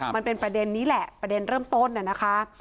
มันเป็นประเด็นนี้แหละประเด็นเริ่มต้นน่ะนะคะ